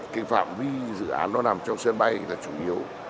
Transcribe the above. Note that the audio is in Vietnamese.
cái phạm vi dự án nó nằm trong sân bay là chủ yếu